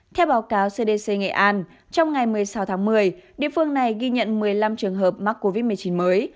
theo báo cáo cdc nghệ an trong ngày một mươi sáu tháng một mươi địa phương này ghi nhận một mươi năm trường hợp mắc covid một mươi chín mới